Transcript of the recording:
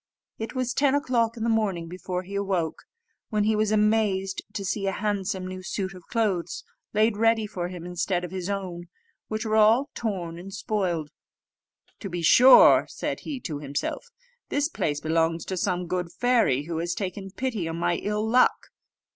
It was ten o'clock in the morning before he awoke, when he was amazed to see a handsome new suit of clothes laid ready for him, instead of his own, which were all torn and spoiled. "To be sure," said he to himself, "this place belongs to some good fairy, who has taken pity on my ill luck."